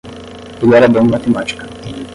Ele era bom em matemática.